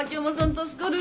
助かる。